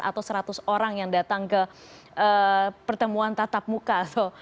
atau seratus orang yang datang ke pertemuan tatap muka